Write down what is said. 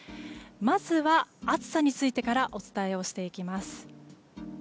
まずは暑さについてからお伝えしていきます。